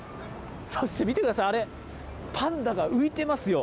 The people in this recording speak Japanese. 見てください、あれ、パンダが浮いてますよ。